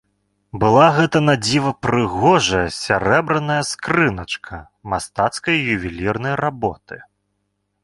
Была гэта надзіва прыгожая сярэбраная скрыначка мастацкай ювелірнай работы.